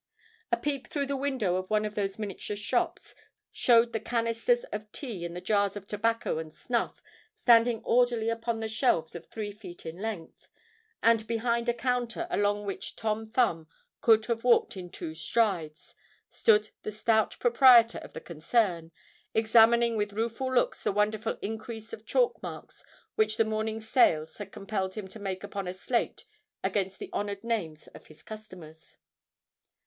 A peep through the window of one of those miniature shops, showed the canisters of tea and the jars of tobacco and snuff standing orderly upon the shelves of three feet in length; and behind a counter, along which Tom Thumb could have walked in two strides, stood the stout proprietor of the concern, examining with rueful looks the wonderful increase of chalk marks which the morning's sales had compelled him to make upon a slate against the honoured names of his customers.